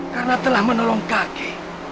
karena telah menolong kaki